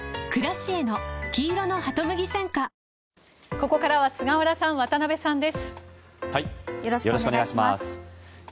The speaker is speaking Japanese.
ここからは菅原さん渡辺さんです。